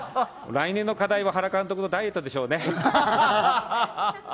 来年の課題は原監督のダイエットでしょうね。